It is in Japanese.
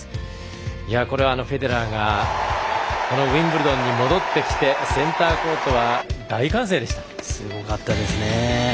これはフェデラーがウィンブルドンに戻ってきてセンターコートは大歓声でした。